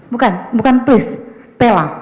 bukan bukan please tela